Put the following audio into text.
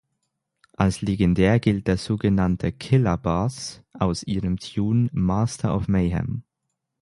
Als legendär gilt der sogenannte „Killa Bass“ aus ihrem Tune "Master of Mayhem".